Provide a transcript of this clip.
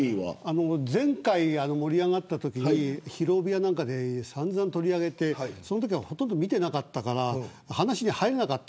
前回盛り上がったときにひるおびなんかで散々取り上げてそのときはほとんど見てなかったから話に入れなかった。